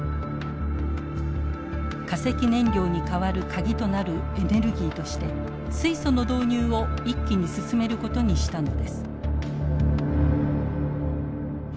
化石燃料に代わる鍵となるエネルギーとして水素の導入を一気に進めることにしたのです。